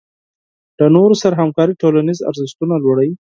له نورو سره همکاري ټولنیز ارزښتونه لوړوي.